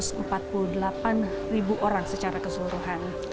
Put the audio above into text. sekitar empat puluh delapan ribu orang secara keseluruhan